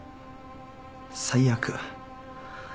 最悪。